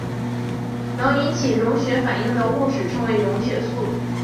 能引起溶血反应的物质称为溶血素。